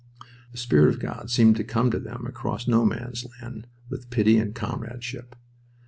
The spirit of God seemed to come to them across No Man's Land with pity and comradeship.